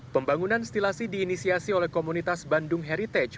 pembangunan stilasi diinisiasi oleh komunitas bandung heritage